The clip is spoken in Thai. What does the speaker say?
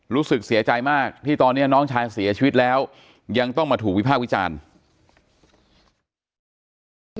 รู้สึกเสียใจมากที่ตอนนี้น้องชายเสียชีวิตแล้วยังต้องมาถูกวิภาควิจารณ์